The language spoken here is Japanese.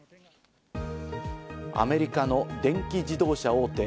アメリカの電気自動車大手